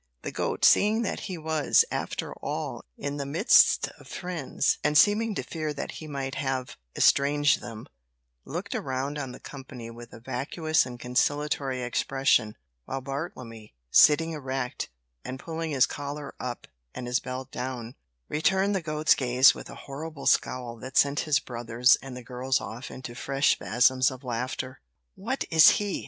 The goat, seeing that he was, after all, in the midst of friends, and seeming to fear that he might have estranged them, looked around on the company with a vacuous and conciliatory expression, while Bartlemy, sitting erect, and pulling his collar up and his belt down, returned the goat's gaze with a horrible scowl that sent his brothers and the girls off into fresh spasms of laughter. "What is he?"